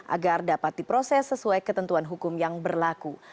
agar dapat diproses sesuai ketentuan hukum yang berlaku